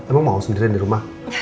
emang mau sendirian di rumah